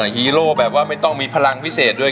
ฮีโร่แบบว่าไม่ต้องมีพลังพิเศษด้วย